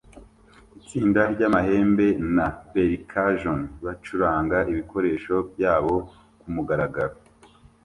Itsinda ry'amahembe na percussion bacuranga ibikoresho byabo kumugaragaro